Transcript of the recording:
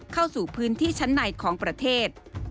เข้าสู่พื้นที่ชั้นในของประเทศ